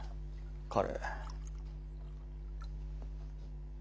彼。